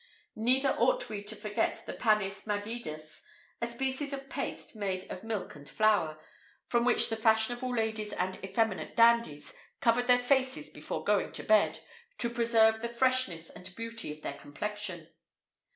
[IV 74] Neither ought we to forget the panis madidus, a species of paste made of milk and flour, with which the fashionable ladies and effeminate dandies covered their faces before going to bed, to preserve the freshness and beauty of their complexion.